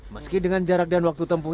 meski dengan jarak dan waktu tempuh